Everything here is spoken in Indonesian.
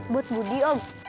buat budi om